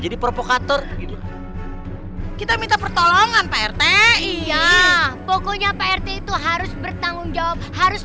jadi provokator kita minta pertolongan pak rt iya pokoknya pak rt itu harus bertanggung jawab harus